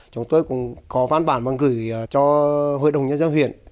chúng tôi cũng có văn bản bằng gửi cho hội đồng nhân dân huyện